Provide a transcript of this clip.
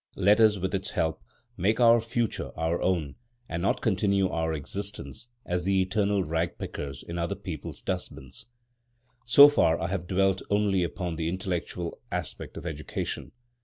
Let us, with its help, make our future our own, and not continue our existence as the eternal rag pickers in other people's dustbins. So far I have dwelt only upon the intellectual aspect of Education.